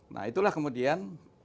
nah itulah kemudian